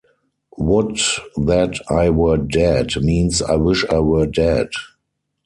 "Would that I were dead" means "I wish I were dead".